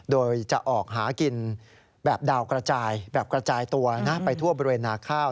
โดยจะออกหากินแบบดาวกระจายตัวไปทั่วบริเวณนาคาว